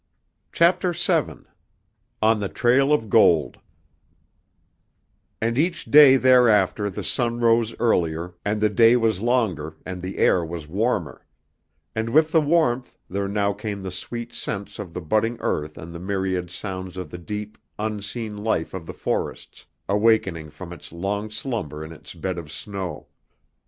CHAPTER VII ON THE TRAIL OF GOLD And each day thereafter the sun rose earlier, and the day was longer, and the air was warmer; and with the warmth there now came the sweet scents of the budding earth and the myriad sounds of the deep, unseen life of the forests, awakening from its long slumber in its bed of snow.